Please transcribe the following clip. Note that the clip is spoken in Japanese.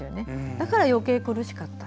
だから余計苦しかった。